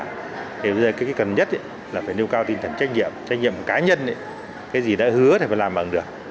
thì bây giờ cái cần nhất là phải nêu cao tinh thần trách nhiệm trách nhiệm của cá nhân cái gì đã hứa này phải làm bằng được